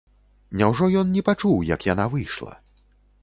Няўжо ён не пачуў, як яна выйшла?